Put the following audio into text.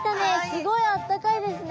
すごいあったかいですね。